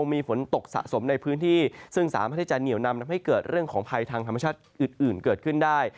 มีฝนตกสะสมในพื้นที่ซึ่งสามารถที่จะเหนียวนำทำให้เกิดเรื่องของภัยทางธรรมชาติอื่นเกิดขึ้นได้